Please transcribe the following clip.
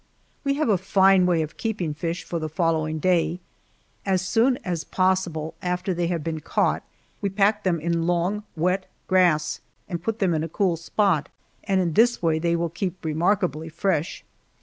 We have a fine way of keeping fish for the following day. As soon as possible after they have been caught we pack them in long, wet grass and put them in a cool spot, and in this way they will keep remarkably fresh.